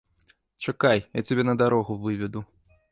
Чакай, я цябе на дарогу выведу.